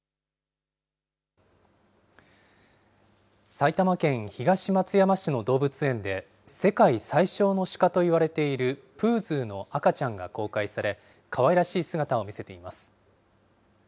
埼玉県東松山市の動物園で、世界最小のシカといわれているプーズーの赤ちゃんが公開され、かわいらしい姿を見せています。